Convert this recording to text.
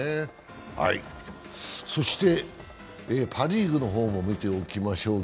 そして、パ・リーグの方も見ておきましょう。